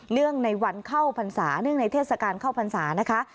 ในวันเข้าพรรษาเนื่องในเทศกาลเข้าพรรษานะคะ